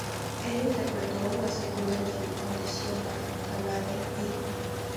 Ella interpretó la segunda en su audición para "Canadian Idol".